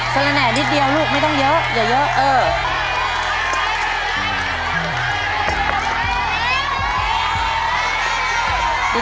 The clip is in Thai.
สละแหนนิดเดียวลูกไม่ต้องเยอะอย่าเยอะ